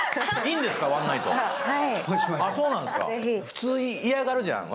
普通嫌がるじゃん。